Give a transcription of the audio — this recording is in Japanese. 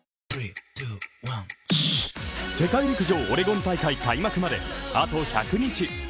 世界陸上オレゴン大会開幕まであと１００日。